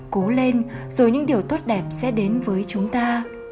cố lên rồi những điều tốt đẹp sẽ đến với chúng ta